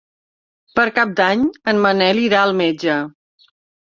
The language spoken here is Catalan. Per Cap d'Any en Manel irà al metge.